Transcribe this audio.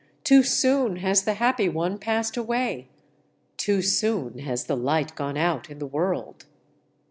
Too soon has the Happy One passed away! Too soon has the Light gone out in the world!'